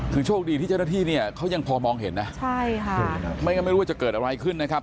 คือโชคดีที่เจ้าหน้าที่เนี่ยเขายังพอมองเห็นนะใช่ค่ะไม่งั้นไม่รู้ว่าจะเกิดอะไรขึ้นนะครับ